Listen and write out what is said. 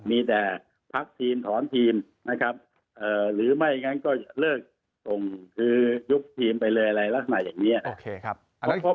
มีแต่พักทีมถอนทีมนะครับหรือไม่อย่างนั้นก็เลิกส่งคือยุบทีมไปเลยอะไรลักษณะอย่างนี้